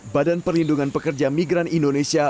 badan perlindungan pekerja migran indonesia